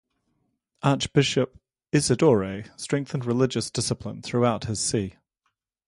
Archbishop Isidore strengthened religious discipline throughout his See.